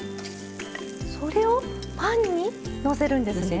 それをパンにのせるんですね？